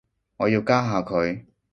我要加下佢